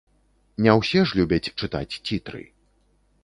Не ўсе ж любяць чытаць цітры.